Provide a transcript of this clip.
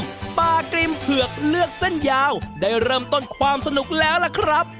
ปลากริมเผือกเลือกเส้นยาวได้เริ่มต้นความสนุกแล้วล่ะครับ